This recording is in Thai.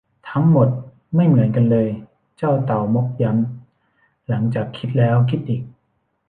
ทั้งหมดไม่เหมือนกันเลย เจ้าเต่าม็อคย้ำหลังจากคิดแล้วคิดอีก